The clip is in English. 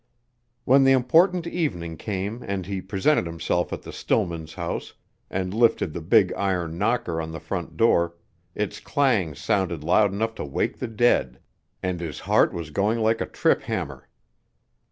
When the important evening came and he presented himself at the Stillmans' house, and lifted the big iron knocker on the front door, its clang sounded loud enough to wake the dead, and his heart was going like a trip hammer.